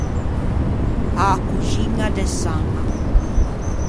A coxiña de Saña.